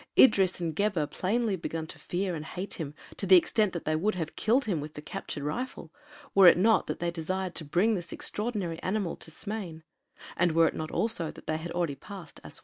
Idris and Gebhr plainly began to fear and hate him to the extent that they would have killed him with the captured rifle, were it not that they desired to bring this extraordinary animal to Smain, and were it not also that they had already passed Assuan.